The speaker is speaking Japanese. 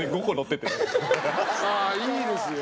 あいいですよ。